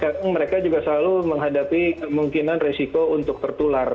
karena sekarang mereka selalu menghadapi kemungkinan risiko untuk tertular